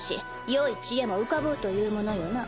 良い知恵も浮かぼうというものよな。